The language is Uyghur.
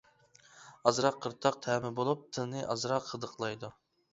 ئازراق قىرتاق تەمى بولۇپ، تىلنى ئازراق غىدىقلايدۇ.